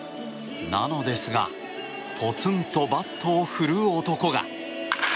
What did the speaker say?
なのですがポツンとバットを振る男が。